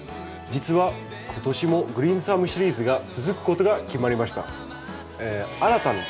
実は今年も「グリーンサム」シリーズが続くことが決まりました。